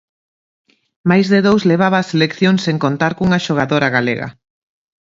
Máis de dous levaba a selección sen contar cunha xogadora galega.